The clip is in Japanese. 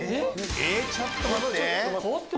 ちょっと待って！